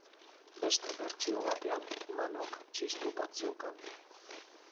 Beste bertsio batean, Manuk txistu bat zeukan.